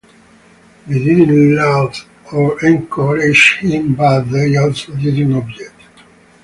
They didn’t laugh or encourage him but they also didn’t object.